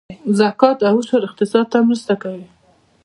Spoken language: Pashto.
زکات او عشر اقتصاد ته مرسته کوي